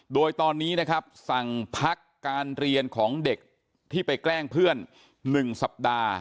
โดยตอนนี้นะครับสั่งพักการเรียนของเด็กที่ไปแกล้งเพื่อน๑สัปดาห์